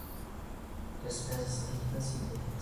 Despesas líquidas e ilíquidas